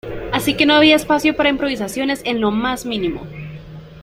Así que no había espacio para improvisaciones en lo más mínimo.